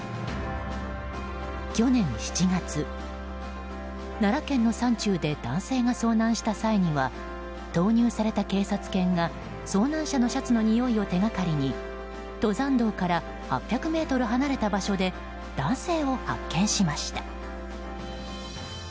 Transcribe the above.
去年７月、奈良県の山中で男性が遭難した際には投入された警察犬が、遭難者のシャツのにおいを手掛かりに登山道から８００ｍ離れた場所で男性を発見しました。